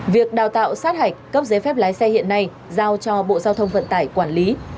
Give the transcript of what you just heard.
việc đào tạo sát hạch cấp giấy phép lái xe hiện nay giao cho bộ giao thông vận tải quản lý